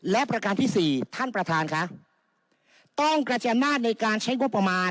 และประการที่สี่ท่านประธานค่ะต้องกระจายอำนาจในการใช้งบประมาณ